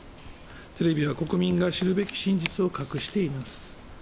テレビは国民が知るべき真実を隠しています。